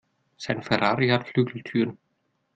Sein Ferrari hat Flügeltüren.